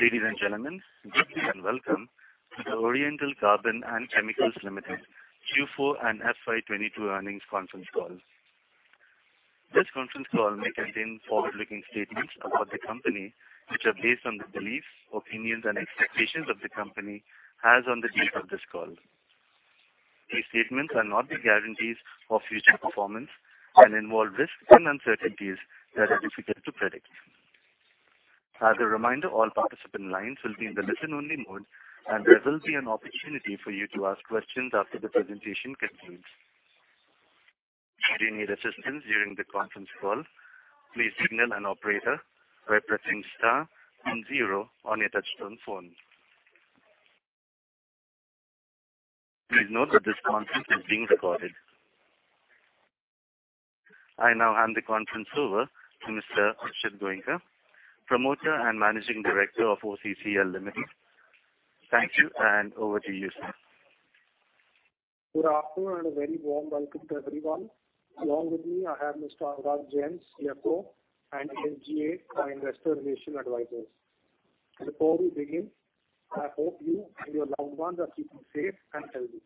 Ladies and gentlemen, good day and welcome to the Oriental Carbon & Chemicals Limited Q4 and FY 2022 earnings conference call. This conference call may contain forward-looking statements about the company, which are based on the beliefs, opinions and expectations of the company as on the date of this call. These statements are not the guarantees of future performance and involve risks and uncertainties that are difficult to predict. As a reminder, all participant lines will be in the listen-only mode and there will be an opportunity for you to ask questions after the presentation concludes. Should you need assistance during the conference call, please signal an operator by pressing star then zero on your touchtone phone. Please note that this conference is being recorded. I now hand the conference over to Mr. Akshat Goenka, Promoter and Managing Director of OCCL Limited. Thank you, and over to you, sir. Good afternoon and a very warm welcome to everyone. Along with me, I have Mr. Anurag Jain, CFO and SGA, our investor relations advisors. Before we begin, I hope you and your loved ones are keeping safe and healthy.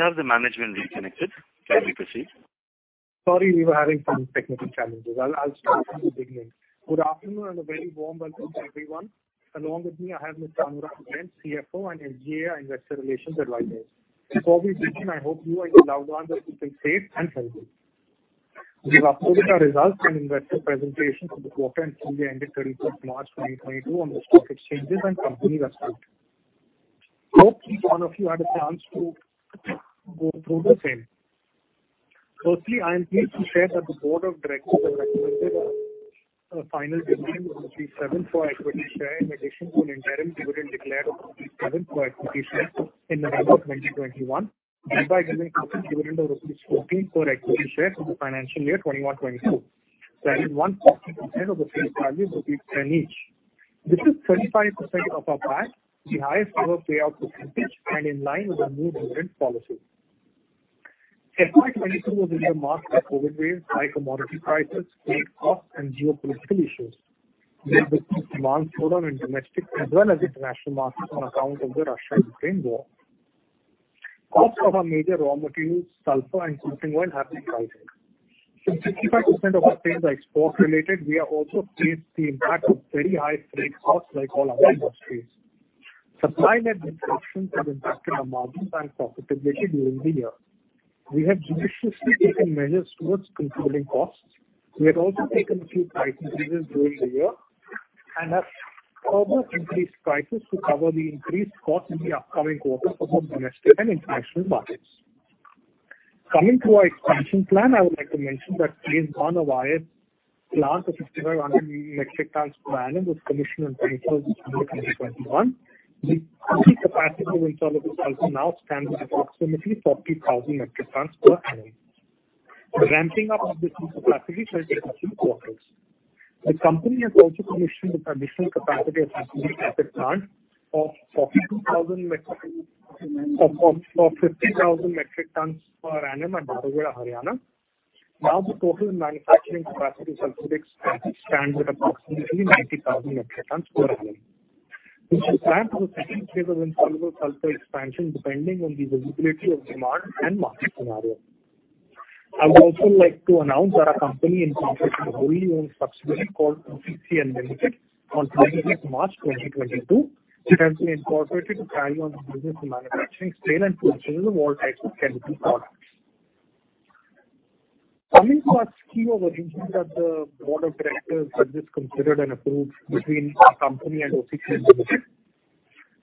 We've uploaded our results and investor presentation for the quarter and full year ended March 2022 on the stock exchanges and company website. Hope each one of you had a chance to go through the same. Firstly, I am pleased to share that the board of directors have recommended a final dividend of 7 for equity share in addition to an interim dividend declared of 7 for equity share in November of 2021 and by giving out a dividend of rupees 14 for equity share for the financial year 2021/2022, that is 140% of the face value, rupees 10 each. This is 35% of our PAT, the highest ever payout percentage and in line with our new dividend policy. FY 2022 was a year marked by COVID wave, high commodity prices, freight costs and geopolitical issues. There was demand slowdown in domestic as well as international markets on account of the Russia-Ukraine war. Cost of our major raw materials, sulphur and petroleum coke have been rising. Since 65% of our sales are export related, we have also faced the impact of very high freight costs like all other industries. Supply chain disruptions have impacted our margins and profitability during the year. We have judiciously taken measures towards controlling costs. We have also taken a few price increases during the year and have further increased prices to cover the increased cost in the upcoming quarter for both domestic and international markets. Coming to our expansion plan, I would like to mention that based on our plant of 5,500 metric tons per annum was commissioned and produced in March 2021. The capacity for insoluble sulphur now stands at approximately 40,000 metric tons per annum. The ramping up of this new capacity shall take a few quarters. The company has also commissioned the additional capacity of sulphuric acid plant of 50,000 metric tons per annum at Dharuhera, Haryana. Now the total manufacturing capacity of sulphuric acid stands at approximately 90,000 metric tons per annum. We shall plan for the second phase of insoluble sulphur expansion depending on the visibility of demand and market scenario. I would also like to announce that our company incorporated a wholly-owned subsidiary called OCCL Limited on 26th March 2022. It has been incorporated to carry on the business of manufacturing, sale and purchase of all types of chemical products. Coming to our scheme of arrangement that the board of directors has just considered and approved between our company and OCCL Limited,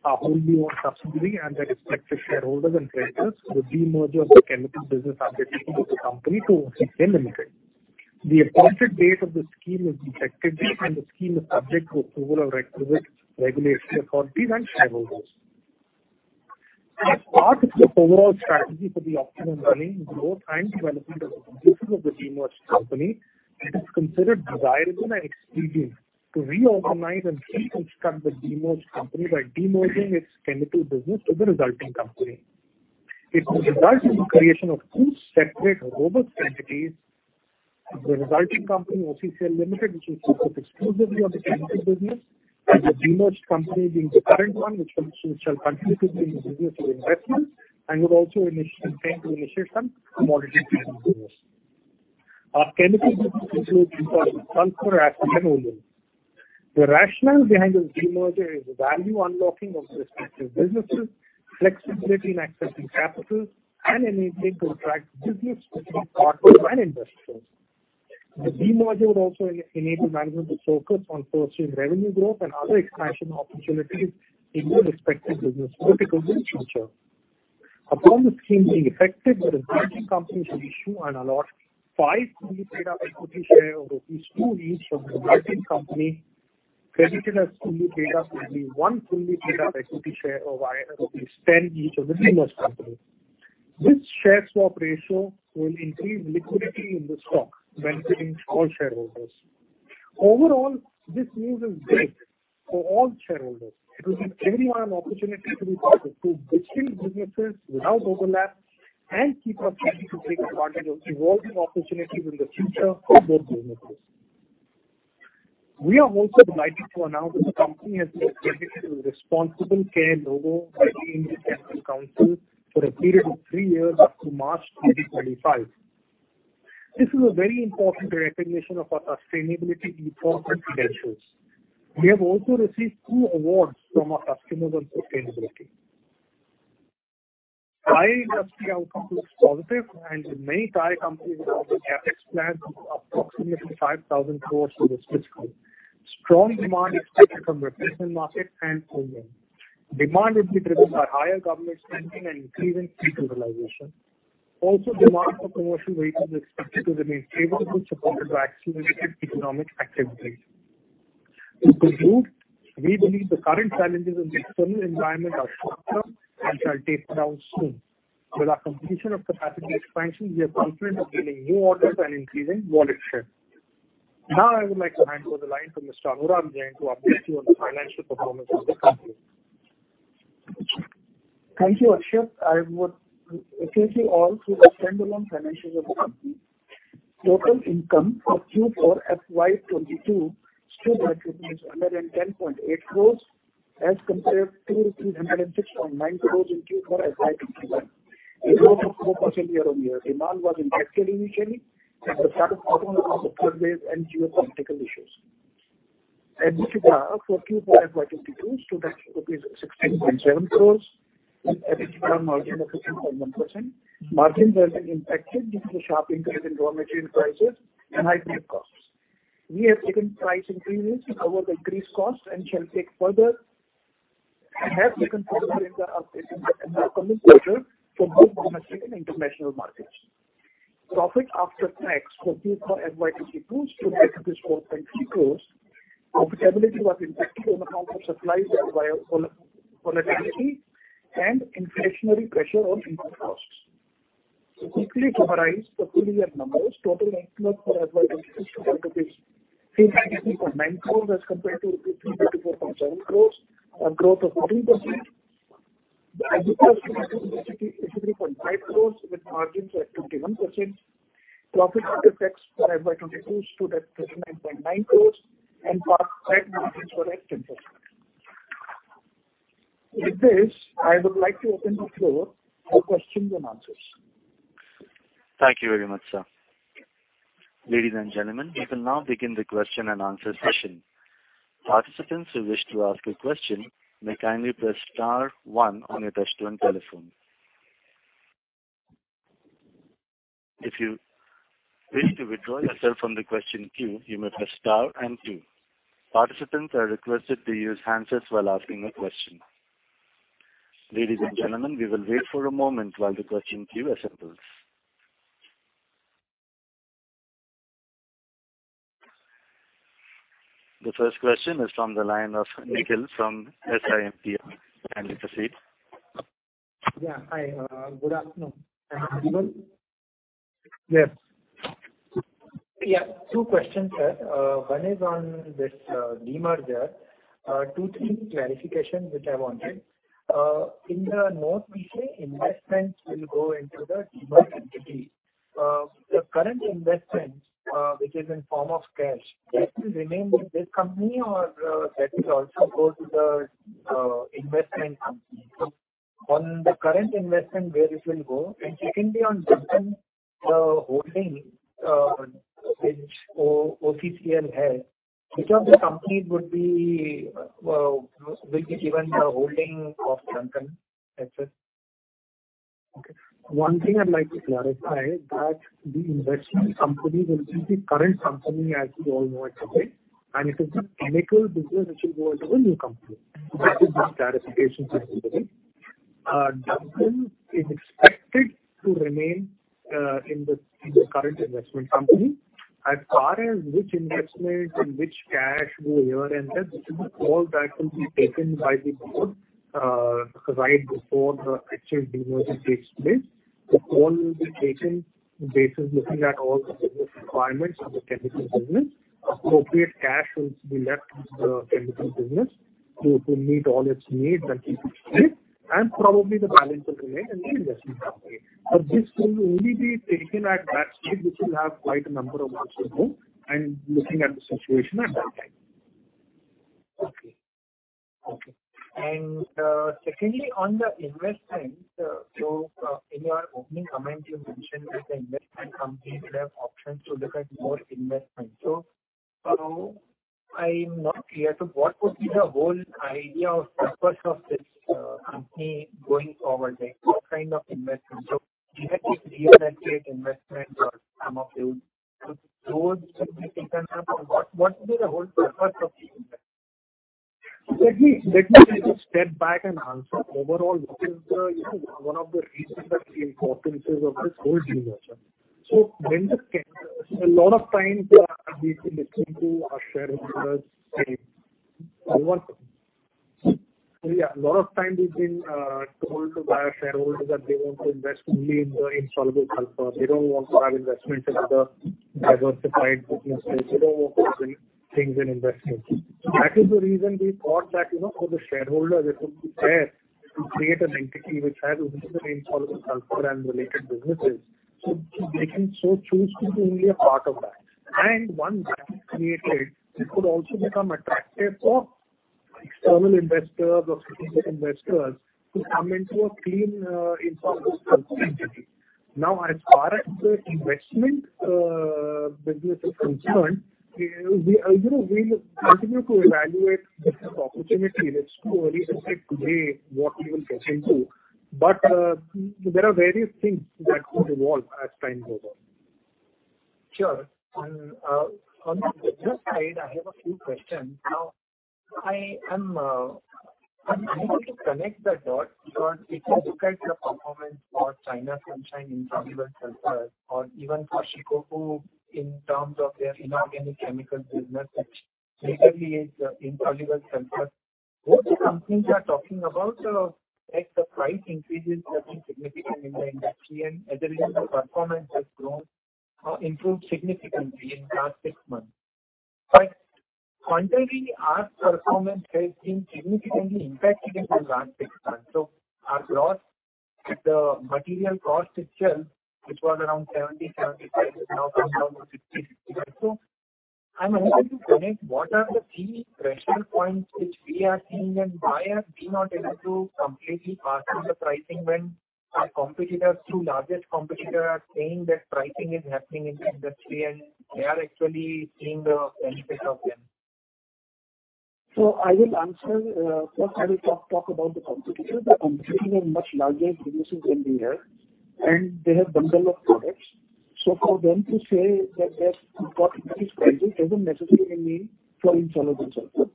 our wholly-owned subsidiary and their respective shareholders and creditors with demerger of the chemical business undertaken by the company to OCCL Limited. The appointed date of the scheme is the effective date, and the scheme is subject to approval of requisite regulatory authorities and shareholders. As part of the overall strategy for the optimum running, growth and development of the business of the demerged company, it is considered desirable and expedient to reorganize and reconstruct the demerged company by demerging its chemical business to the resulting company. It will result in the creation of two separate robust entities. The resulting company, OCCL Limited, which will focus exclusively on the chemical business, and the demerged company being the current one, which shall continue to do business with investments and would also intend to initiate some commodity chemical business. Our chemical business includes imports of sulphur and petroleum. The rationale behind this demerger is value unlocking of the respective businesses, flexibility in accessing capital, and enabling to attract business from corporate and investors. The demerger would also enable management to focus on pursuing revenue growth and other expansion opportunities in their respective businesses in future. Upon the scheme being effective, the resulting company shall issue and allot five fully paid-up equity share of INR 2 each of the resulting company credited as fully paid-up only one fully paid-up equity share of INR 10 each of the demerged company. This share swap ratio will increase liquidity in the stock benefiting all shareholders. Overall, this news is great for all shareholders. It will give everyone an opportunity to be part of two distinct businesses without overlap and keep us ready to take advantage of evolving opportunities in the future for both businesses. We are also delighted to announce the company has been accredited with Responsible Care logo by the Indian Chemical Council for a period of three years up to March 2025. This is a very important recognition of our sustainability efforts credentials. We have also received two awards from our customers on sustainability. Tire industry outlook looks positive, and many tire companies have the CapEx plans of approximately 5,000 crores for this fiscal. Strong demand expected from replacement market and OEM. Demand will be driven by higher government spending and increasing vehicle realization. Demand for commercial vehicles is expected to remain favorable, supported by accelerated economic activities. To conclude, we believe the current challenges in the external environment are short-term and shall taper down soon. With our completion of capacity expansion, we are confident of gaining new orders and increasing wallet share. Now I would like to hand over the line to Mr. Anurag Jain to update you on the financial performance of the company. Thank you, Akshat. I would take you all through the standalone financials of the company. Total income for Q4 FY22 stood at INR 110.8 crores as compared to INR 306.9 crores in Q4 FY21, a growth of 4% year-on-year. Demand was impacted initially at the start of third wave and geopolitical issues. EBITDA for Q4 FY 2022 stood at INR 16.7 crore with EBITDA margin of 15.1%. Margins were being impacted due to sharp increase in raw material prices and high fuel costs. We have taken price increases to cover the increased costs and shall take further and have taken price increases in the coming quarter for both domestic and international markets. Profit after tax for Q4 FY 2022 stood at INR 4.3 crore. Profitability was impacted on account of supply side volatility and inflationary pressure on input costs. To quickly summarize the full year numbers, total revenue for FY 2022 stood at INR 380.9 crore as compared to rupees 304.7 crore, a growth of 13%. The EBITDA stood at 80.5 crore with margins at 21%. Profit after tax for FY 2022 stood at INR 9.9 crores and PAT margins were at 10%. With this, I would like to open the floor for questions and answers. Thank you very much, sir. Ladies and gentlemen, we will now begin the question and answer session. Participants who wish to ask a question may kindly press star one on your touchtone telephone. If you wish to withdraw yourself from the question queue, you may press star and two. Participants are requested to use handsets while asking a question. Ladies and gentlemen, we will wait for a moment while the question queue assembles. The first question is from the line of Nikhil from SiMPL. Kindly proceed. Yeah. Hi. Good afternoon. Yes. Yeah, two questions, sir. One is on this demerger. Two-three clarification which I wanted. In the note we say investments will go into the demerged entity. The current investment, which is in form of cash, that will remain with this company or, that will also go to the investment company. On the current investment, where it will go? Secondly, on Duncan holding, which OCCL has, which of the companies would be, will be given the holding of Duncan Assets? Okay. One thing I'd like to clarify that the investment company will be the current company as you all know it today, and it is the chemical business which will go into a new company. I hope this clarification is okay. Duncan is expected to remain in the current investment company. As far as which investment and which cash go here and there, all that will be taken by the board right before the actual demerger takes place. The call will be taken basis looking at all the business requirements of the chemical business. Appropriate cash will be left with the chemical business to meet all its needs and keep it fit, and probably the balance will remain in the investment company. But this will only be taken at balance sheet, which will be quite a number of months away and looking at the situation at that time. Secondly, on the investment, so, I'm not clear. What would be the whole idea or purpose of this company going forward? Like, what kind of investment? Is it real estate investment or some of those should be taken up? Or what would be the whole purpose of the investment? Let me maybe step back and answer overall what is the one of the reasons or the importances of this whole deal, Rajan. A lot of times we've been listening to our shareholders. A lot of times we've been told by our shareholders that they want to invest only in the insoluble sulphur. They don't want to have investments in other diversified businesses. They don't want to have their things in investments. That is the reason we thought that, you know, for the shareholder it would be fair to create an entity which has only the insoluble sulphur and related businesses, so they can so choose to be only a part of that. Once that is created, it could also become attractive for external investors or strategic investors to come into a clean, insoluble sulphur entity. Now, as far as the investment business is concerned, we, you know, will continue to evaluate business opportunity. Let's not really restrict today what we will get into. There are various things that could evolve as time goes on. Sure. On the business side, I have a few questions. Now, I am unable to connect the dots because if you look at the performance for China Sunshine Insoluble Sulphur or even for Shikoku Chemicals in terms of their inorganic chemical business, which majorly is insoluble sulphur. Both the companies are talking about, like the price increases have been significant in the industry and as a result the performance has grown or improved significantly in the last six months. Contrarily, our performance has been significantly impacted in the last six months. Our loss, the material cost itself, which was around 70-75, has now come down to 50-55. I'm unable to connect what are the key pressure points which we are seeing and why are we not able to completely pass on the pricing when our competitors, two largest competitors are saying that pricing is happening in the industry and they are actually seeing the benefit of them. I will answer. First I will talk about the competitors. The competitors are much larger businesses than we are, and they have bundle of products. For them to say that they have got better prices doesn't necessarily mean for insoluble sulphur.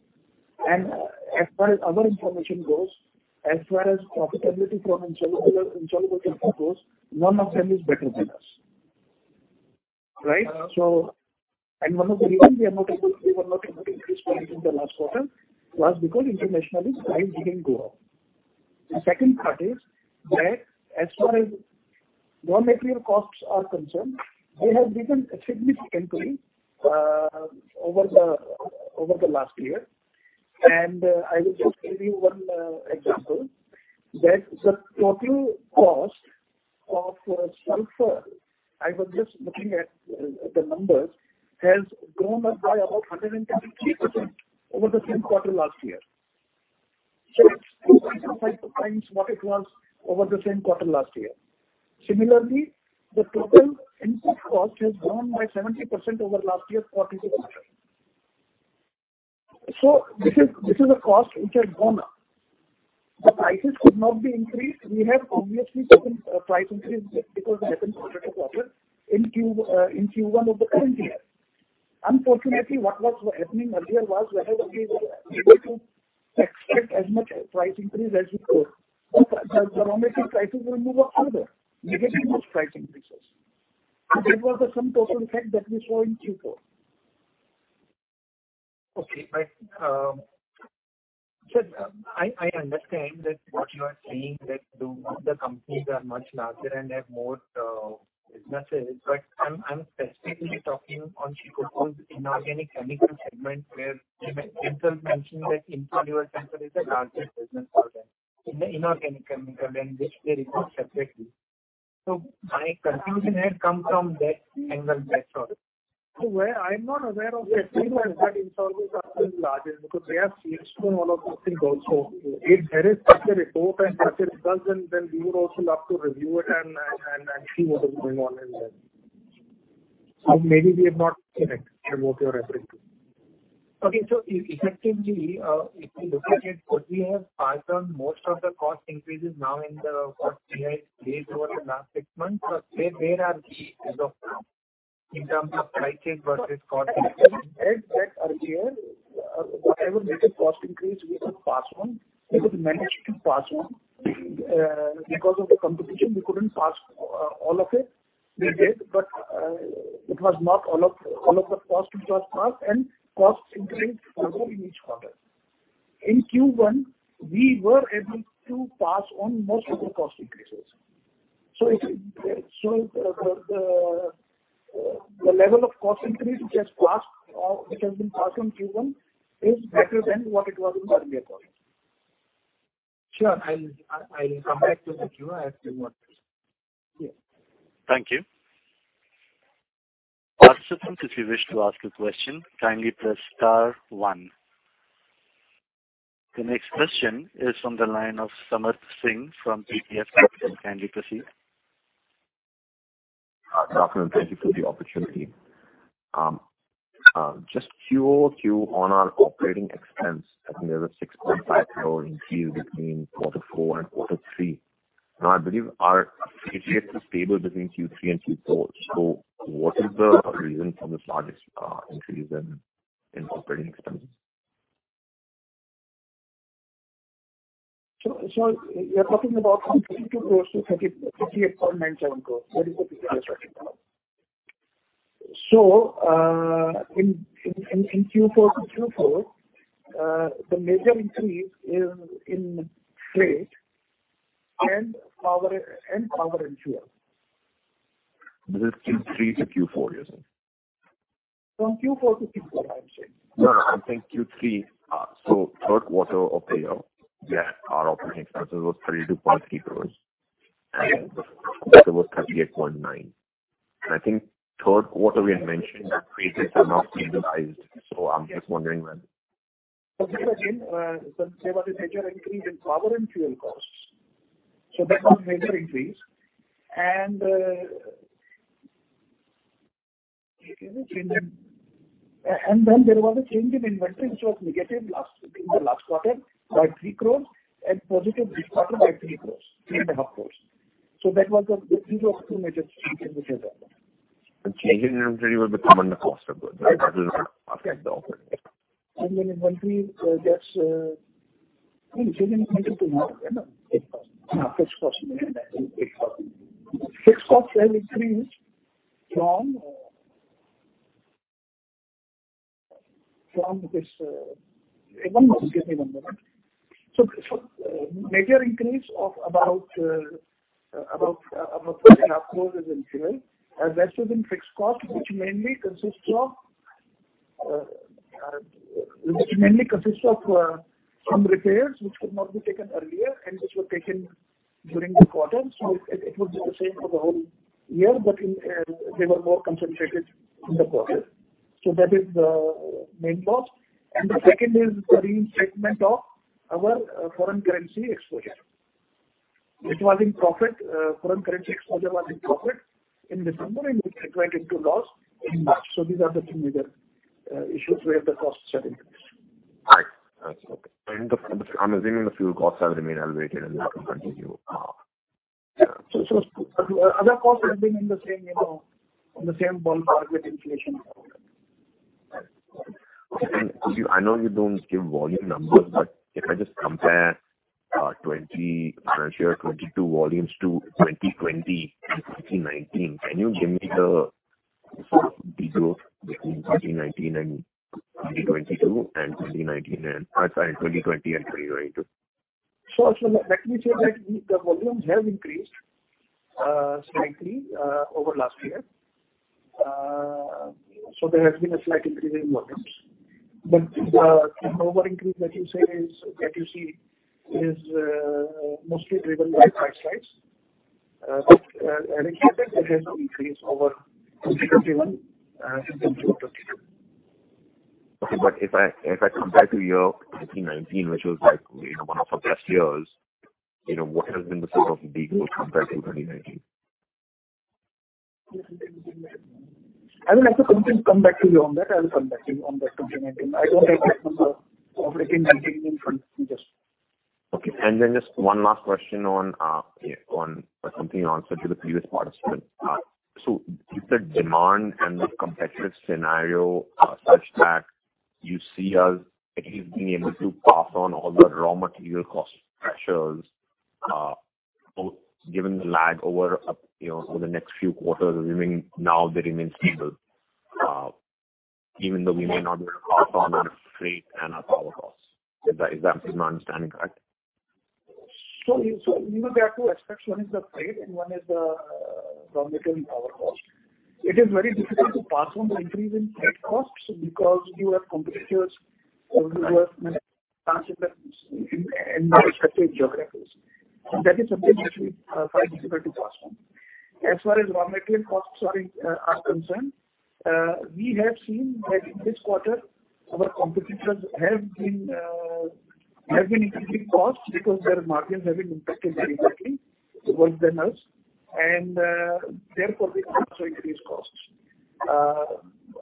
As far as our information goes, as far as profitability for insoluble sulphur goes, none of them is better than us. Right? One of the reasons we were not able to increase prices in the last quarter was because internationally prices didn't go up. The second part is that as far as raw material costs are concerned, they have risen significantly over the last year. I will just give you one example, that the total cost of sulphur, I was just looking at the numbers, has grown by about 133% over the same quarter last year. It's 2.25 times what it was over the same quarter last year. Similarly, the total input cost has grown by 70% over last year's corresponding quarter. This is a cost which has gone up. The prices could not be increased. We have obviously taken a price increase because it happened quarter to quarter in Q1 of the current year. Unfortunately, what was happening earlier was wherever we were able to extract as much price increase as we could, the raw material prices were moving further, negating those price increases. That was the sum total effect that we saw in Q4. Okay. I understand that what you are saying that the companies are much larger and have more businesses. I'm specifically talking on Shikoku's inorganic chemical segment, where they themselves mentioned that insoluble sulphur is the largest business for them in the inorganic chemical, and which they report separately. My confusion has come from that angle, that's all. Well, I'm not aware of that statement that insoluble sulphur is largest because they have silicone oil business also. If there is such a report and such a result, then we would also love to review it and see what is going on in there. Maybe we have not connected on what you're referring to. Okay. Effectively, if you look at it, could we have passed on most of the cost increases now in terms of what we have faced over the last six months? There are cases in terms of pricing versus cost increase. As we are here, whatever little cost increase we could pass on, we could manage to pass on. Because of the competition, we couldn't pass all of it. We did, but it was not all of the cost which was passed and costs increased further in each quarter. In Q1, we were able to pass on most of the cost increases. The level of cost increase which has passed or which has been passed in Q1 is better than what it was in earlier quarters. Sure. I'll come back to that, you know, as to what. Yes. Thank you. Participants, if you wish to ask a question, kindly press star one. The next question is on the line of Samarth Singh from TPF Capital. Kindly proceed. Good afternoon. Thank you for the opportunity. Just QOQ on our operating expense, I mean, there was 6.5 billion increase between quarter four and quarter three. Now, I believe our freight is stable between Q3 and Q4. What is the reason for this largest increase in operating expenses? You're talking about from INR 32 crore-INR 38.97 crore. That is what you're expecting now. Yes. In Q4 to Q4, the major increase is in freight and power, and power and fuel. This is Q3 to Q4, you're saying? From Q4 to Q4, I'm saying. No, no. I'm saying Q3, third quarter of the year, where our operating expenses was 32.3 crores. Right. It was 38.9. I think third quarter we had mentioned that freights are now stabilized. I'm just wondering when. There was a major increase in power and fuel costs. That was major increase. Then there was a change in inventory which was negative in the last quarter by 3 crore and positive this quarter by 3 crore, 3.5 crore. That was the two major changes which have happened. Change in inventory will become under cost of goods. That is. Change in inventory. Fixed costs have increased from this. Major increase of about 3.5 crore is in fuel. The rest is in fixed costs, which mainly consists of some repairs which could not be taken earlier and which were taken during the quarter. It was the same for the whole year, but they were more concentrated in the quarter. That is the main cost. The second is the remeasurement of our foreign currency exposure. It was in profit, foreign currency exposure was in profit in December, and it went into loss in March. These are the two major issues where the costs have increased. I see. Okay. I'm assuming the fuel costs have remained elevated and will continue. Other costs have been on the same par with inflation, you know. Okay. I know you don't give volume numbers, but if I just compare financial year 2022 volumes to 2020 and 2019, can you give me the sort of degrowth between 2019 and 2022 and 2020 and 2022. Let me say that the volumes have increased slightly over last year. There has been a slight increase in volumes. The turnover increase that you see is mostly driven by price hikes. And I think there is no increase over Q1 since Q2 2022. Okay. If I compare to year 2019, which was like, you know, one of our best years, you know, what has been the sort of degrowth compared to 2019? I will have to potentially come back to you on that. I will come back to you on that, 2019. I don't have the numbers of 2019 in front of me just. Okay. Just one last question on something you answered to the previous participant. Is the demand and the competitive scenario, such that you see us at least being able to pass on all the raw material cost pressures, both given the lag over, you know, over the next few quarters remaining now they remain stable, even though we may not be able to pass on our freight and our power costs? Is that, is my understanding correct? You know, there are two aspects. One is the freight and one is the raw material and power cost. It is very difficult to pass on the increase in freight costs because you have competitors who have transferred that in non-competitive geographies. That is something which we find difficult to pass on. As far as raw material costs are concerned, we have seen that in this quarter our competitors have been increasing costs because their margins have been impacted very badly worse than us, and therefore we also increase costs.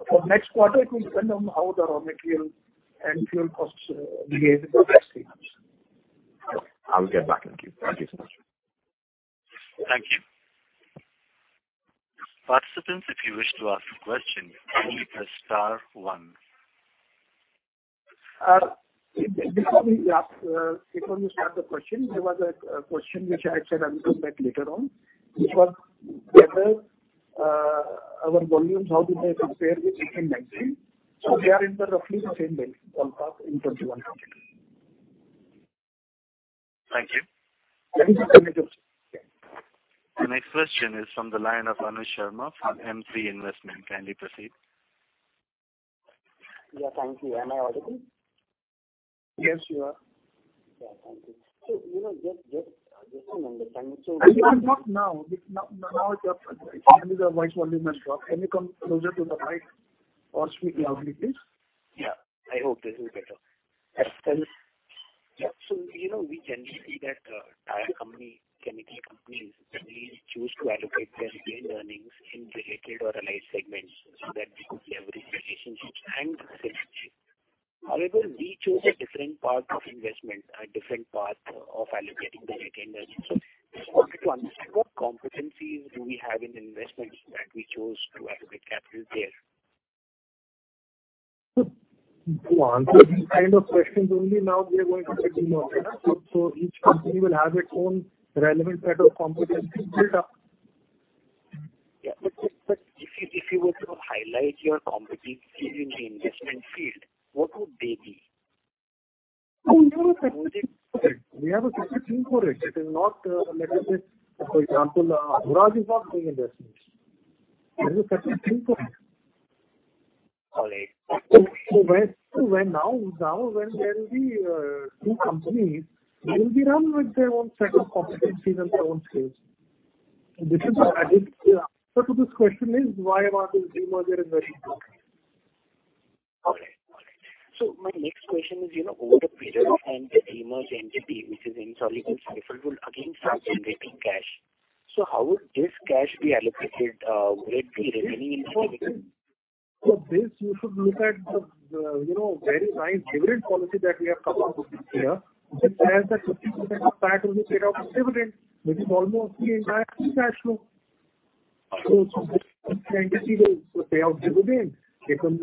For next quarter it will depend on how the raw material and fuel costs behave in the next few months. Okay. I will get back. Thank you. Thank you so much. Thank you. Participants, if you wish to ask a question, kindly press star one. Before we start the question, there was a question which I said I will come back later on. Which was whether our volumes, how did they compare with 2018-2019? We are in roughly the same base on top in 2021. Thank you. Thank you. The next question is from the line of Anuj Sharma from M3 Investment. Kindly proceed. Yeah, thank you. Am I audible? Yes, you are. Yeah, thank you. You know, just to understand. I cannot now. Now it's up. Only the voice volume has dropped. Can you come closer to the mic or speak loudly, please? Yeah. I hope this is better. Yes. Yeah. You know, we can see that tire companies, chemical companies usually choose to allocate their retained earnings in related or allied segments so that we could leverage relationships and synergy. However, we chose a different path of investment, a different path of allocating the retained earnings. I wanted to understand what competencies do we have in investments that we chose to allocate capital there? To answer these kind of questions only now we are going to get demerged. Each company will have its own relevant set of competencies built up. Yeah. If you were to highlight your competencies in the investment field, what would they be? We have a separate team for it. It is not. Let us say, for example, Viraj is not doing investments. There's a separate team for it. All right. When there will be two companies, they will be run with their own set of competencies and their own skills. This question is why are those demerged and restructured. My next question is, you know, over the period and the demerged entity which is OCCL Limited will again start generating cash. How would this cash be allocated? Would it be remaining in chemical- You should look at the you know very nice dividend policy that we have come up with here, which says that 50% of PAT will be paid out as dividend, which is almost the entire free cash flow. Entity will pay out dividend. It will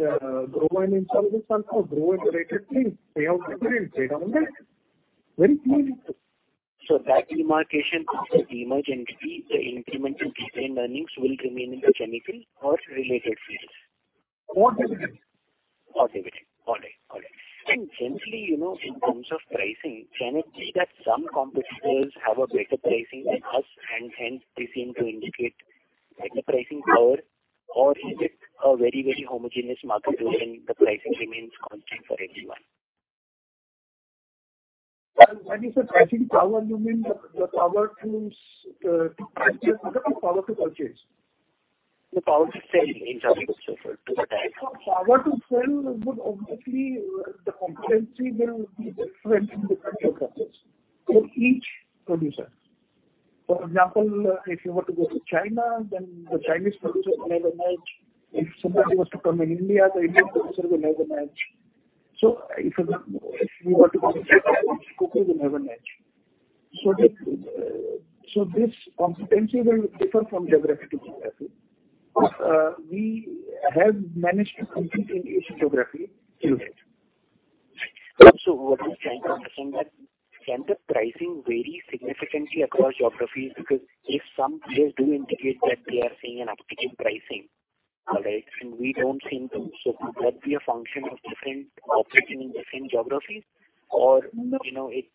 grow an insolvency fund or grow a related thing, pay out dividend, pay down debt. Very clearly. That demarcation of the demerged entity, the incremental retained earnings will remain in the chemical or related fields? Dividend. Dividend. All right. Generally, you know, in terms of pricing, can it be that some competitors have a better pricing than us and hence they seem to indicate better pricing power or is it a very, very homogeneous market wherein the pricing remains constant for everyone? By pricing power, you mean the power to price it or the power to purchase? The power to sell insoluble sulphur to the tire. Power to sell would obviously, the competency will be different in different geographies for each producer. For example, if you were to go to China, then the Chinese producer will have a match. If somebody was to come in India, the Indian producer will have a match. If you were to come to Turkey, they'll have a match. This competency will differ from geography to geography. We have managed to compete in each geography till date. What I'm trying to understand that can the pricing vary significantly across geographies? Because if some players do indicate that they are seeing an uptick in pricing, all right, and we don't seem to. Could that be a function of different operating in different geographies? Or, you know it?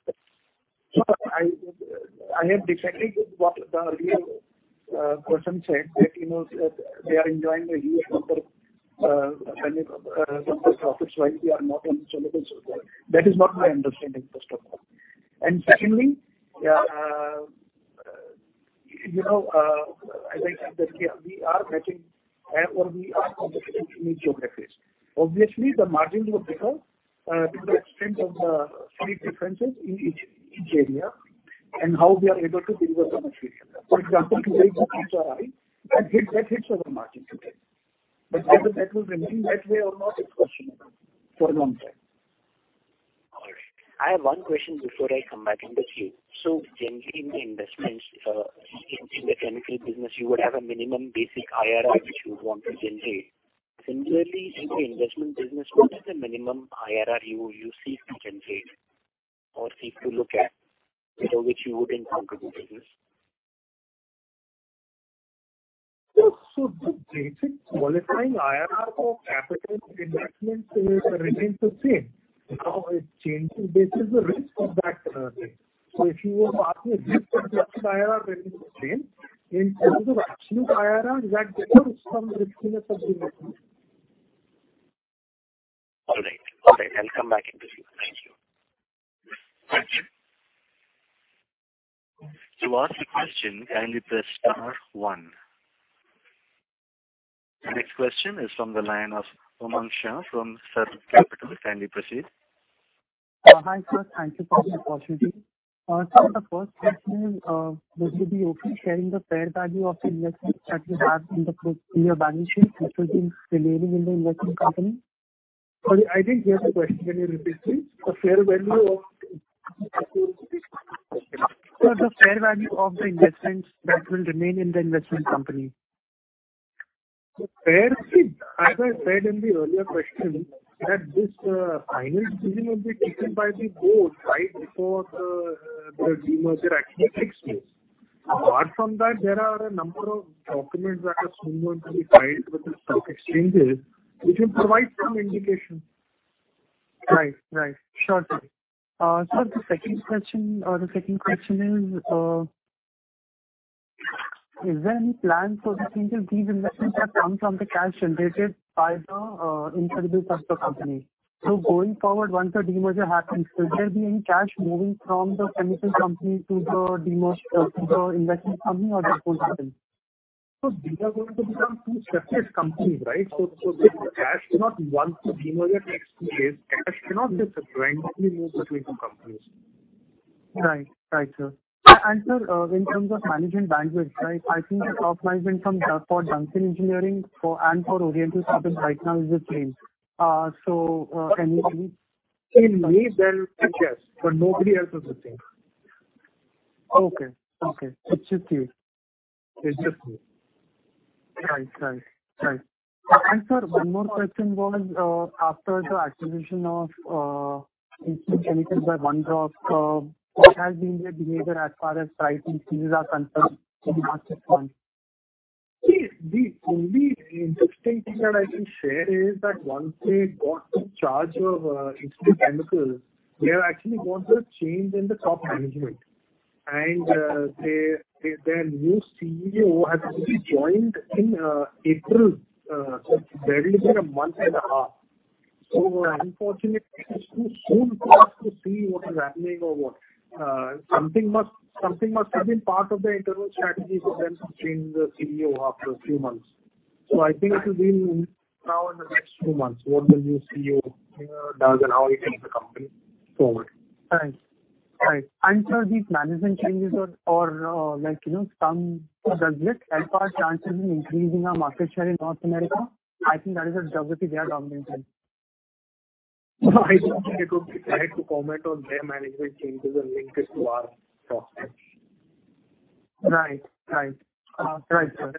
No, I am definitely what the earlier person said that, you know, they are enjoying a huge margin benefit of the profits while we are not on insoluble. That is not my understanding first of all. Secondly, you know, as I said that we are matching or we are competitive in each geographies. Obviously, the margins were better to the extent of the three differences in each area and how we are able to deliver to the customer. For example, today the inputs are high, that hits our margin today. Whether that will remain that way or not is questionable for a long time. All right. I have one question before I come back into queue. Generally in the investments, in the chemical business you would have a minimum basic IRR which you want to generate. Similarly, in the investment business, what is the minimum IRR you seek to generate or seek to look at, you know, which you would encounter business? The basic qualifying IRR for capital investments remains the same. How it changes based on the risk of that project. If you ask me what's the basic IRR remains the same. In terms of absolute IRR, that differs from riskiness of the investment. All right. I'll come back into queue. Thank you. Thank you. To ask a question, kindly press star one. The next question is from the line of Umang Shah from Sarath Capital. Kindly proceed. Hi, sir. Thank you for the opportunity. The first question is, would you be open sharing the fair value of the investments that you have in the balance sheet, which will be remaining in the investment company? Sorry, I didn't hear the question. Can you repeat please? The fair value of Sir, the fair value of the investments that will remain in the investment company. Fairly, as I said in the earlier question, that this final decision will be taken by the board right before the demerger actually takes place. Apart from that, there are a number of documents that are soon going to be filed with the stock exchanges which will provide some indication. Right. Sure. Sir, the second question is there any plan for the future disinvestments that come from the cash generated by the insoluble sector company? Going forward, once the demerger happens, will there be any cash moving from the chemical company to the investment company, or that won't happen? These are going to become two separate companies, right? Once the demerger takes place, cash cannot just randomly move between companies. Right. Right, sir. Sir, in terms of management bandwidth, right, I think the top management for Duncan Engineering and for Oriental Carbon right now is the same. So, can you see? In me, then yes, but nobody else is the same. Okay. It's just you. It's just me. Right. Sir, one more question was, after the acquisition of Eastman Chemical by One Rock, what has been their behavior as far as pricing schemes are concerned in the market front? See, the only interesting thing that I can share is that once they got the charge of Eastman Chemical, they have actually gone through a change in the top management. Their new CEO has only joined in April, so barely been a month and a half. Unfortunately it's too soon for us to see what is happening or what. Something must have been part of the internal strategy for them to change the CEO after a few months. I think it will be now in the next few months, what the new CEO does and how he takes the company forward. Right. Right. Sir, does this help our chances in increasing our market share in North America? I think that is a geography they are dominant in? I don't think it would be right to comment on their management changes and link it to our prospects. Right, sir.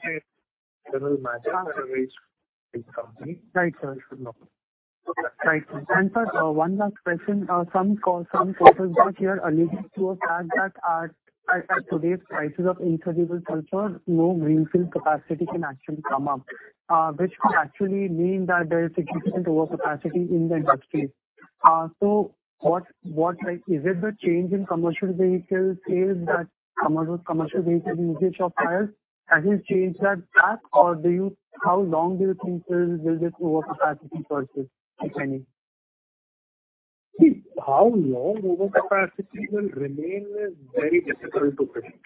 It doesn't matter where we sit in the company. Right, sir. No. Right. Sir, one last question. Some calls earlier alluded to a fact that at today's prices of insoluble sulphur, no greenfield capacity can actually come up, which could actually mean that there is significant overcapacity in the industry. What, like, is it the change in commercial vehicle sales that commercial vehicle usage of tires has it changed that fact? Or, how long do you think there will be this overcapacity persist, if any? See, how long overcapacity will remain is very difficult to predict.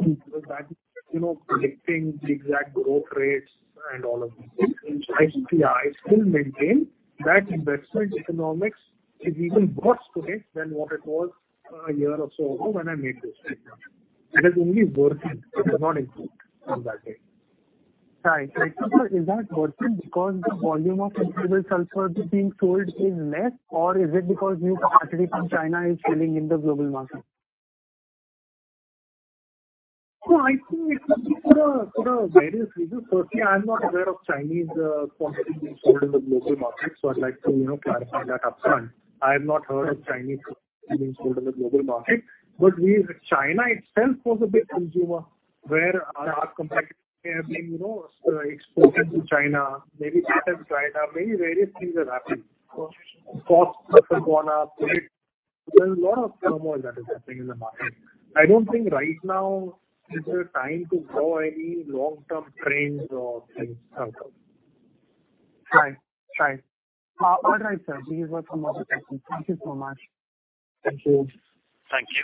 Mm-hmm. Because that's, you know, predicting the exact growth rates and all of these things. Mm-hmm. I still maintain that investment economics is even worse today than what it was a year or so ago when I made this statement. It has only worsened, it has not improved from that day. Right. Sir, is that worsened because the volume of insoluble sulphur being sold is less, or is it because new capacity from China is filling in the global market? I think it could be for various reasons. Firstly, I'm not aware of Chinese capacity being sold in the global market, so I'd like to clarify that upfront. I have not heard of Chinese capacity being sold in the global market. China itself was a big consumer where our competitors have been exposed in China. Maybe that has dried up. Many various things are happening. Costs have gone up. There's a lot of turmoil that is happening in the market. I don't think right now is the time to draw any long-term trends or things like that. Right. All right, sir. These were some of the questions. Thank you so much. Thank you. Thank you.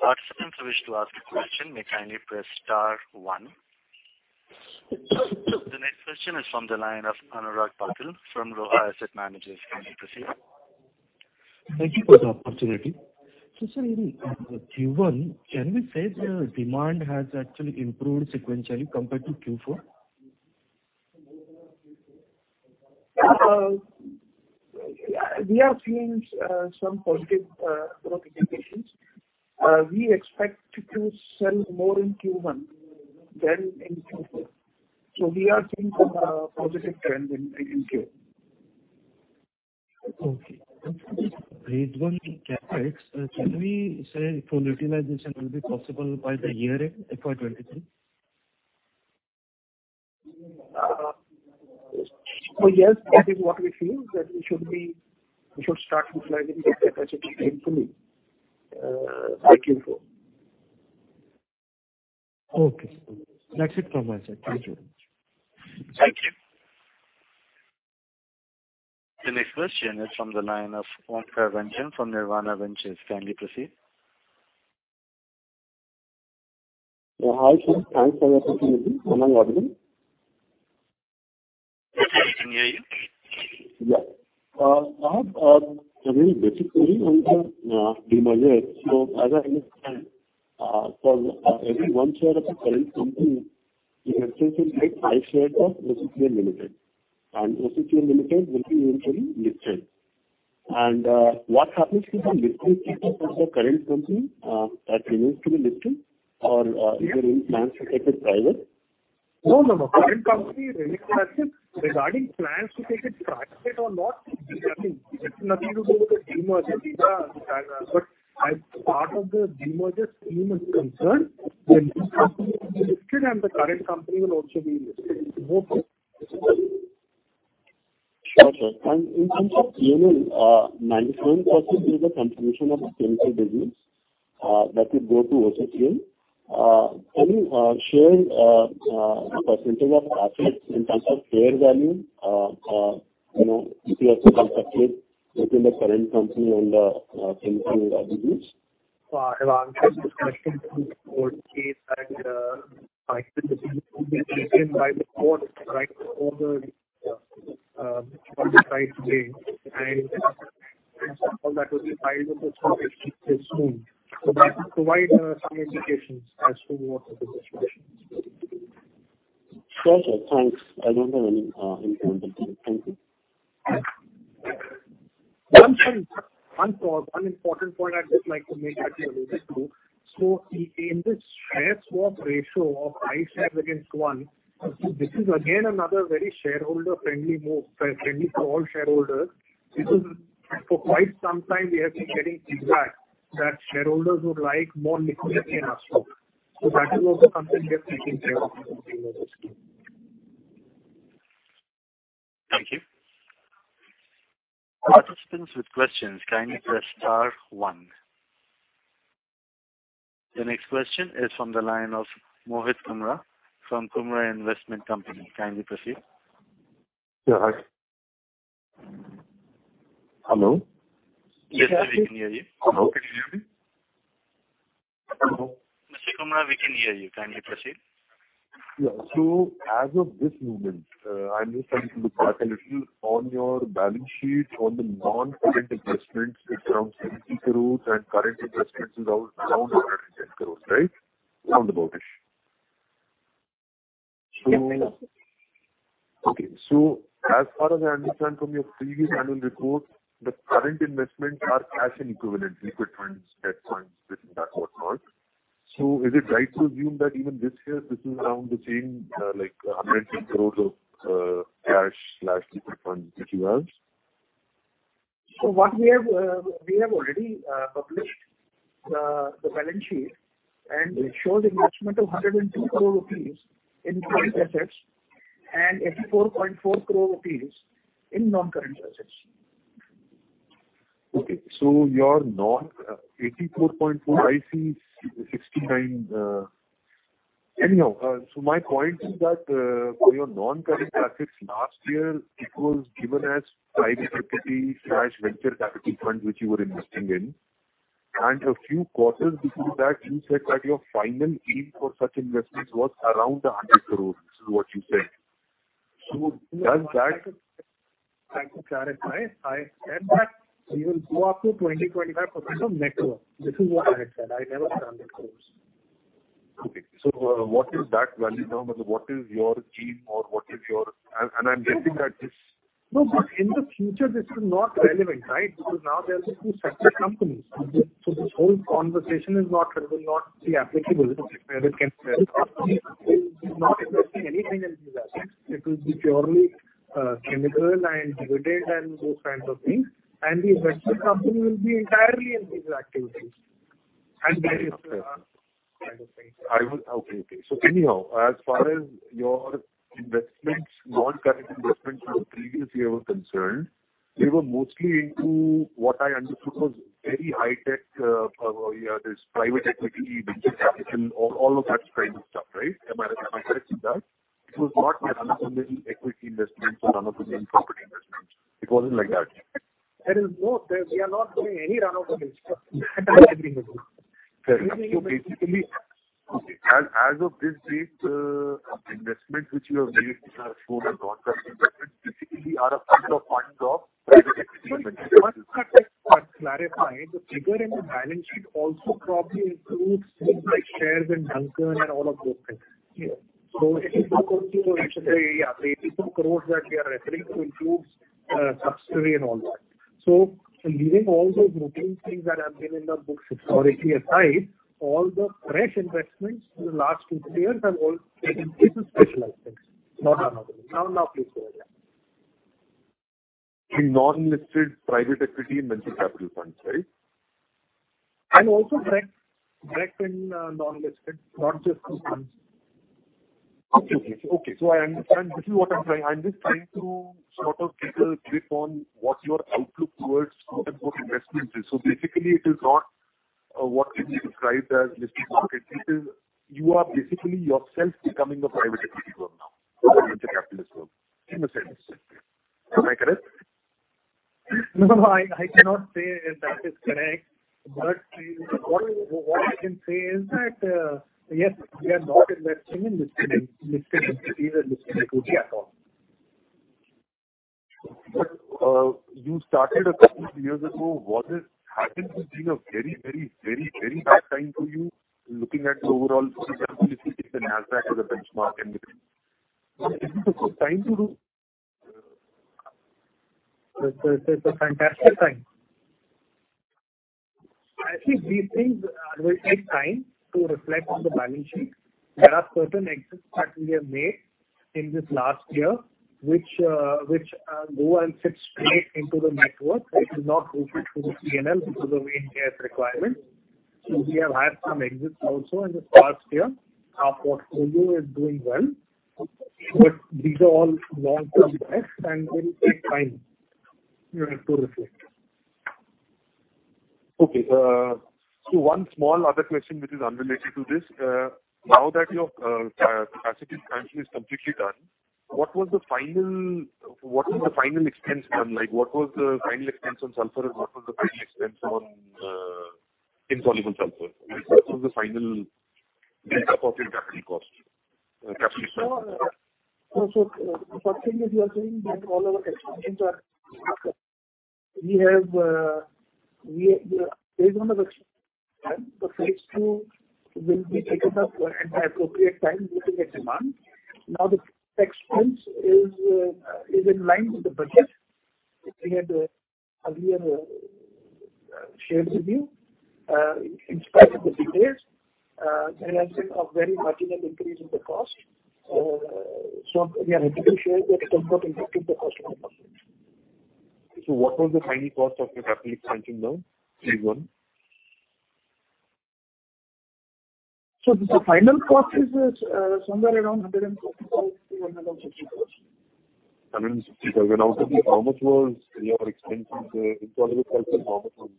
Participants who wish to ask a question may kindly press star one. The next question is from the line of Anurag Patil from Roha Asset Managers. You may proceed. Thank you for the opportunity. Sir, in Q1, can we say the demand has actually improved sequentially compared to Q4? We are seeing some positive growth indications. We expect to sell more in Q1 than in Q4. We are seeing some positive trend in Q1. Okay. For this grade one CapEx, can we say full utilization will be possible by the year end, FY2023? Yes, that is what we feel, that we should start utilizing the capacity fully by Q4. Okay. That's it from my side. Thank you very much. Thank you. The next question is from the line of from Nirvana Ventures. Kindly proceed. Hi sir. Thanks for the opportunity. Sorry, can you hear me? Yeah. Sir, basically on the demerger, so as I understand, for every one share of the parent company, the investor will get five shares of OCCL Limited, and OCCL Limited will be eventually listed. What happens to the listing? No, no. Current company remains listed. Regarding plans to take it private or not, I mean, it's nothing to do with the demerger but as part of the demerger scheme is concerned, the existing company will be listed and the current company will also be listed. Okay. Sure, sir. In terms of P&L, 97% is the contribution of the chemical business that will go to OCCL. Can you share the percentage of assets in terms of fair value? You know, if you have to compare between the current company and the chemical business. If I answer this question by the board, right? Over, on the right day and all that will be filed with the stock exchange soon. That will provide some indications as to what is the situation. Sure, sir. Thanks. I don't have any, in terms of time. Thank you. One important point I'd just like to make actually related to. In this share swap ratio of 5 shares against one, this is again another very shareholder-friendly move, friendly for all shareholders. This is for quite some time we have been getting feedback that shareholders would like more liquidity in OCCL. That is also something we have taken care of in this scheme. Thank you. Participants with questions, kindly press star one. The next question is from the line of Mohit Kumar from Kumra Investment Company. Kindly proceed. Yeah, hi. Hello? Yes, sir, we can hear you. Hello, can you hear me? Hello. Mr. Kumar, we can hear you. Kindly proceed. Yeah. As of this moment, I'm just trying to look back a little on your balance sheet on the non-current investments. It's around 70 crore and current investments is around 110 crore, right? Sounds about right. Yes. Okay. As far as I understand from your previous annual report, the current investments are cash and equivalents, liquid funds, debt funds, this and that, whatnot. Is it right to assume that even this year this is around the same, like 110 crores of cash/liquid funds that you have? We have already published the balance sheet, and it shows investment of 102 crore rupees in current assets and 84.4 crore rupees in non-current assets. Okay, your non, 84.4, I see 69. Anyhow, my point is that for your non-current assets last year it was given as private equity/venture capital funds which you were investing in. A few quarters before that you said that your final aim for such investments was around 100 crores, this is what you said. Does that- I can clarify. I said that we will go up to 20%-25% of net worth. This is what I had said. I never said INR 100 crore. Okay. What is that value now? What is your aim. I'm guessing that this. No, but in the future this is not relevant, right? Because now there's two separate companies. Mm-hmm. This whole conversation is not relevant, not applicable. Okay. It will not be investing anything in these assets. It will be purely cash and dividends and those kinds of things. The investment company will be entirely in these activities. That is the kind of thing. Okay. Anyhow, as far as your investments, non-current investments for the previous year were concerned, they were mostly into, what I understood was very high tech, yeah, this private equity, venture capital, all of that kind of stuff, right? Am I correct in that? It was not your run-of-the-mill equity investments or run-of-the-mill property investments. It wasn't like that. No, sir, we are not doing any run-of-the-mill stuff. Basically, okay, as of this date, investments which you have made for your non-current investments basically are a fund of funds of private equity investments. Just to clarify, the figure in the balance sheet also probably includes things like shares in Duncan and all of those things. Yes. INR 82 crores that we are referring to includes subsidiary and all that. Leaving all those mundane things that have been in the books for years aside, all the fresh investments in the last two, three years have all been into specialized things, not run-of-the-mill. Now please go ahead, yeah. The non-listed private equity and venture capital funds, right? and non-listed, not just through funds. Okay. I understand. This is what I'm just trying to sort of get a grip on what your outlook towards future investments is. Basically it is not what can be described as listed market. It is you are basically yourself becoming a private equity firm now or a venture capitalist firm, in a sense. Am I correct? No, I cannot say that is correct. What I can say is that, yes, we are not investing in listed entities and listed equities at all. You started a couple of years ago. Was it happening to be a very bad time for you, looking at the overall, for example, if you take the Nasdaq or the benchmark index? This is a good time to do. It's a fantastic time. I think these things will take time to reflect on the balance sheet. There are certain exits that we have made in this last year, which go and fit straight into the network. It did not go through to the P&L due to the Ind AS requirement. We have had some exits also in this past year. Our portfolio is doing well, but these are all long-term bets, and it will take time, you know, to reflect. Okay. One small other question which is unrelated to this. Now that your capacity expansion is completely done, what was the final expenditure? Like, what was the final expense on sulphur and what was the final expense on insoluble sulphur? And what was the final Dharuhera capital cost, capital expense? First thing is you are saying that all our expansions are. We are based on the timeline. The phase two will be taken up at the appropriate time meeting the demand. Now the expense is in line with the budget. We had earlier shared with you, in spite of the delays, there has been a very marginal increase in the cost. We are happy to share that it has not impacted the cost of the project. What was the final cost of your CapEx, no, phase one? The final cost is somewhere around 140,000-160,000. 160,000. Okay. How much was your expense on the insoluble sulphur? How much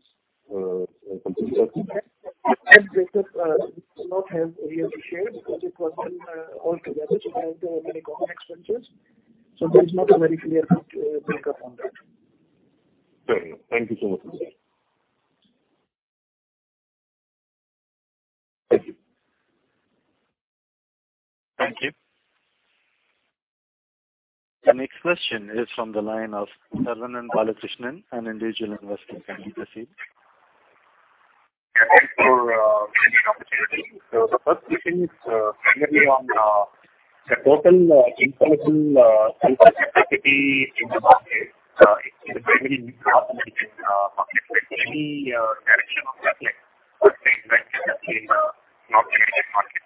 was completely- That data we do not have here to share because it was done all together. We had many common expenses, so there is not a very clear-cut breakup on that. Very well. Thank you so much. Okay. Thank you. Thank you. The next question is from the line of Saravanan Balakrishnan, an individual investor. Can you proceed? Thank you for giving the opportunity. The first question is primarily on the total insoluble sulphur capacity in the market. It's a very new opportunity market. Like any direction of that, like what's the capacity in the North American market?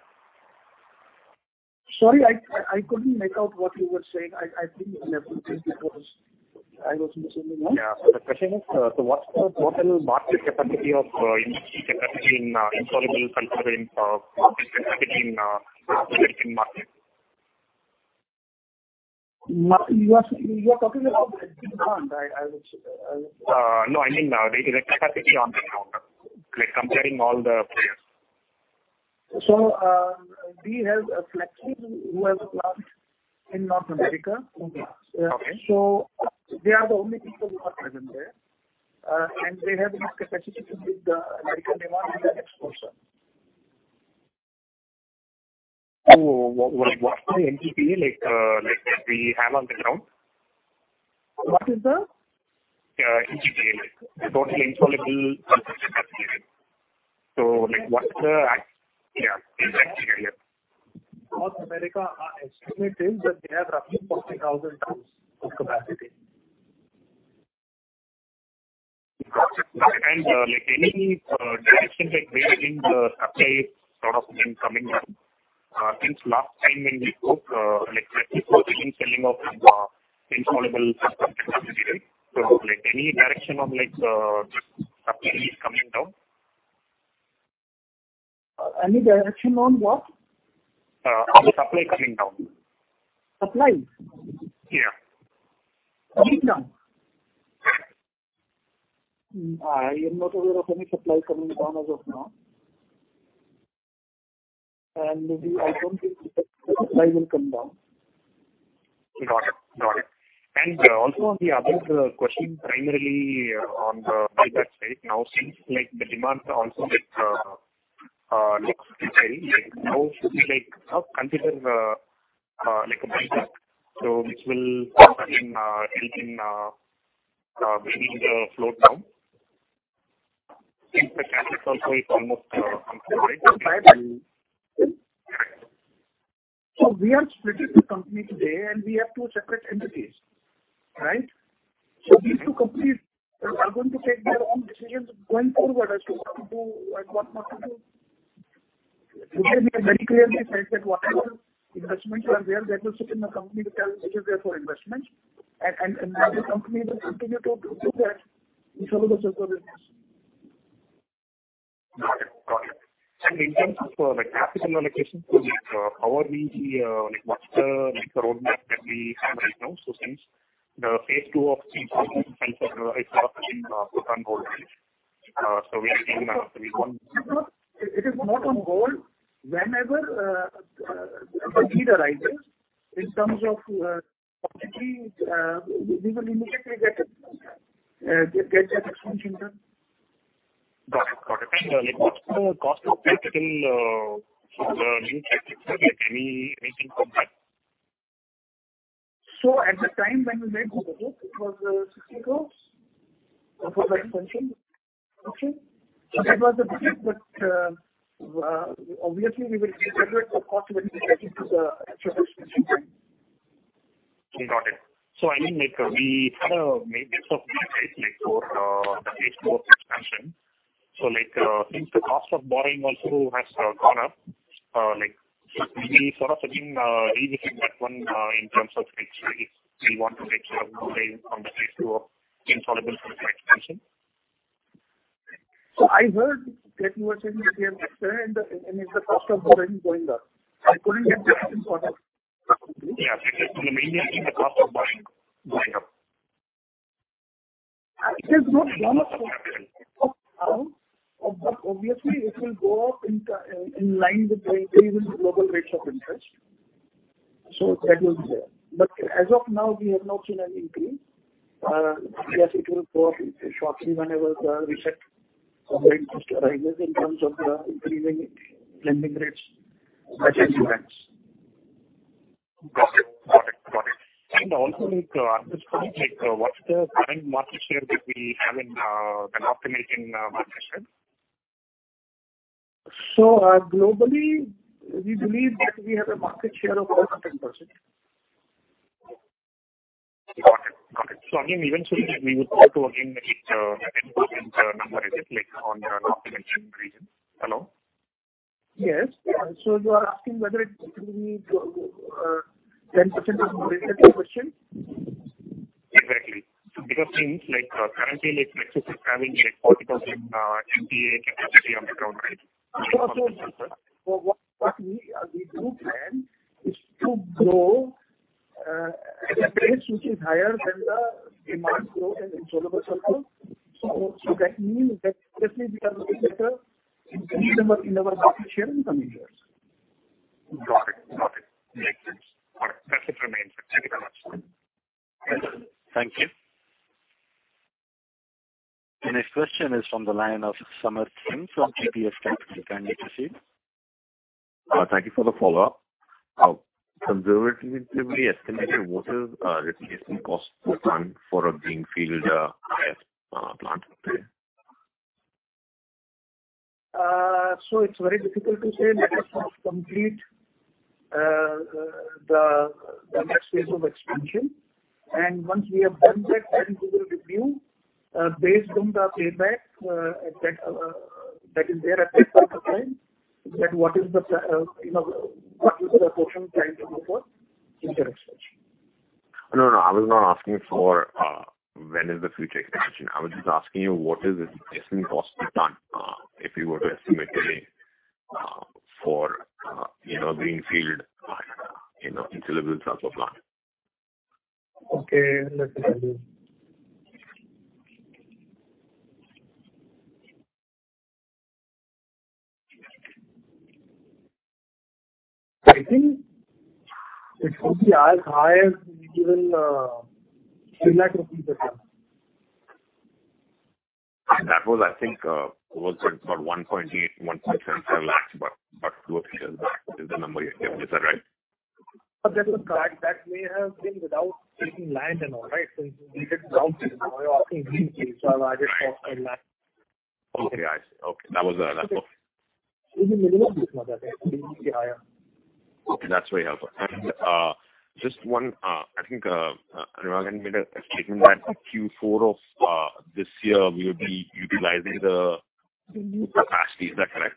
Sorry, I couldn't make out what you were saying. I think I have to think because I was missing a lot. The question is, what's the total market capacity of insoluble sulphur in the North American market? You are talking about demand? I was. No. I mean, the capacity on the ground. Like comparing all the players. We have a Flexsys who has a plant in North America. Okay. They are the only people who are present there. They have enough capacity to meet the American demand in the next quarter. What's the MTPA, like, they have on the ground? What is the? MTPA. Like total insoluble sulphur capacity. Like what's the MTPA. North America, our estimate is that they have roughly 40,000 tons of capacity. Got it. Like any direction like there in the supply sort of in coming months. Since last time when we spoke, like Flexsys was selling off insoluble sulphur capacity, right? Like any direction of like the supply is coming down? Any direction on what? On the supply coming down. Supply? Yeah. Coming down. I am not aware of any supply coming down as of now. I don't think the supply will come down. Got it. Also on the other question, primarily on the buyback side. Now since like the demand also like looks pretty like how should we like consider like a buyback. Which will help in helping bringing the float down. Since the capital also is almost on the right side. We are split into two companies today, and we have two separate entities. Right? These two companies are going to take their own decisions going forward as to what to do and what not to do. Today we have very clearly said that whatever investments are there, that will sit in the company which is there for investments, and another company will continue to do that. We follow the same business. Got it. In terms of, like capital allocation to like, power NG, like what's the, like the roadmap that we have right now? Since the phase two of sulphur is now put on hold, right? We are seeing that phase one It is not on hold. Whenever the need arises in terms of opportunities, we will immediately get it, get the expansion done. Got it. Like what's the cost of capital for the new projects or like any, anything compared? At the time when we made the project, it was INR 60 crore for that function. Okay. That was the budget. Obviously, we will regenerate the cost when we get into the actual expansion. Got it. I mean, like, we had a maintenance, like, for the phase four expansion. Like, since the cost of borrowing also has gone up, like we sort of again, revisiting that one, in terms of like if we want to make sure on the phase two of installation for the expansion. I heard that you are saying that we have an expansion and if the cost of borrowing is going up. I couldn't get the first part. Yeah. Mainly if the cost of borrowing is going up. It is not gone up as of now. Obviously it will go up in line with the global rates of interest. That will be there. As of now, we have not seen any increase. Yes, it will go up shortly whenever the reset of the interest arises in terms of increasing lending rates by the banks. Got it. Also like at this point what's the current market share that we have in the North American market share? Globally, we believe that we have a market share of 100%. Got it. Again, eventually we would look to again reach the 10% number, is it like on your North American region? Hello? Yes. You are asking whether it will be, 10% is the question? Exactly. Because since like currently like Flexsys is having like 40% NPA capacity on the ground, right? What we do plan is to grow at a pace which is higher than the demand growth in insoluble sulphur. That means that definitely we are looking at a increase in our market share in coming years. Got it. Makes sense. That's it from my end, sir. Thank you very much, sir. Thank you. The next question is from the line of Sameer Singh from TPF Capital. You can proceed. Thank you for the follow-up. Conservatively estimated, what is replacement cost per ton for a greenfield IS plant? It's very difficult to say unless we complete the next phase of expansion. Once we have done that then we will review based on the payback that is there at that point of time, what is the you know what is the portion planned to look for in the expansion. No, no, I was not asking for when is the future expansion. I was just asking you, what is the investment cost per ton, if you were to estimate today, for you know greenfield you know insoluble sulphur plant? Okay. Let me check. I think it should be as high as even 10 lakh rupees a ton. That was, I think, about 1.8, 1.75 lakhs. The official is the number you have. Is that right? That's the fact. That may have been without taking land and all. Right? We did. Okay. I see. Okay. That was. It's a minimum cost I think. It can be higher. Okay, that's very helpful. Just one, I think, Anurag Jain had made a statement that Q4 of this year we will be utilizing the capacity. Is that correct?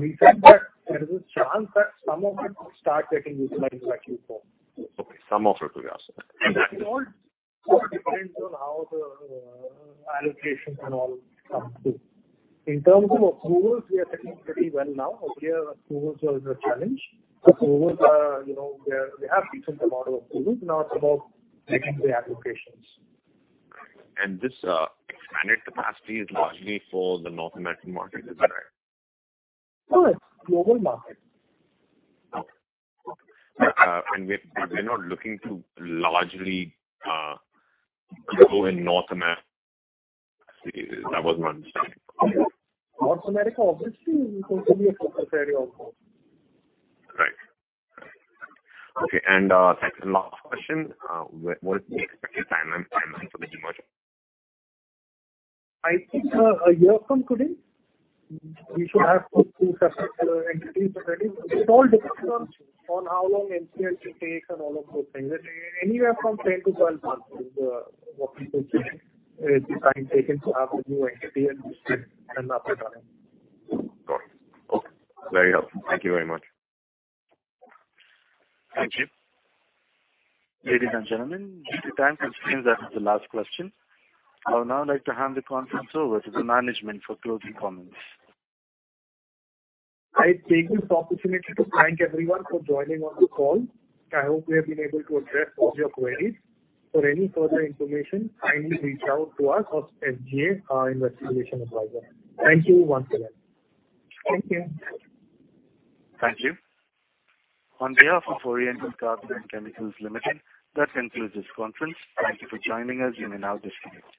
He said that there is a chance that some of it will start getting utilized by Q4. Okay. Some of it. Yes. It all depends on how the allocation and all comes through. In terms of approvals, we are sitting pretty well now. Earlier approvals was a challenge. Approvals, you know, we have received a lot of approvals. Now it's about making the applications. This expanded capacity is largely for the North American market. Is that right? No, it's global market. Okay. We're not looking to largely grow in North America. That was my understanding. North America, obviously, will be a focus area of growth. Right. Okay. Second last question. What is the expected timeline for the demerger? I think, a year from today, we should have those two separate entities ready. It all depends on how long MCA will take and all of those things. Anywhere from 10 to 12 months is what we foresee, the time taken to have the new entity and up and running. Got it. Okay. Very helpful. Thank you very much. Thank you. Ladies and gentlemen, due to time constraints, that is the last question. I would now like to hand the conference over to the management for closing comments. I take this opportunity to thank everyone for joining on the call. I hope we have been able to address all your queries. For any further information, kindly reach out to us or SGA, our investor relations advisor. Thank you once again. Thank you. Thank you. On behalf of Oriental Carbon & Chemicals Limited, that concludes this conference. Thank you for joining us. You may now disconnect.